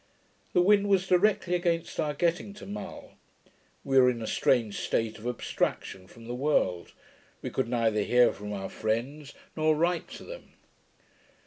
The wind was directly against our getting to Mull. We were in a strange state of abstraction from the world: we could neither hear from our friends, nor write to them.